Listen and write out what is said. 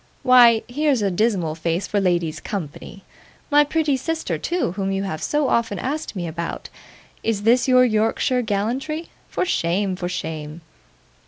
Why, here's a dismal face for ladies' company! my pretty sister too, whom you have so often asked me about. Is this your Yorkshire gallantry? For shame! for shame!